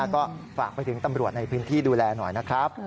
ก็ฝากไปถึงตำรวจในพื้นที่ดูแลหน่อยนะครับ